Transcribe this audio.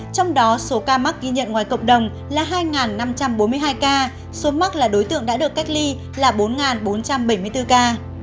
trong đó số ca mắc ghi nhận ngoài cộng đồng là hai năm trăm bốn mươi hai ca số mắc là đối tượng đã được cách ly là bốn bốn trăm bảy mươi bốn ca